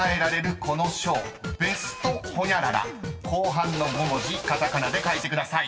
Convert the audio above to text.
［後半の５文字カタカナで書いてください］